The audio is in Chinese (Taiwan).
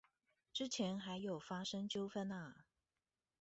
之前還有發生糾紛啊！